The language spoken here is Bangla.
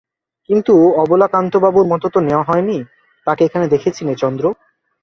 কিন্তু অবলাকান্তবাবুর মত তো নেওয়া হয় নি–তাঁকে এখানে দেখছি নে– চন্দ্র।